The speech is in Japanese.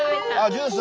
ジュース。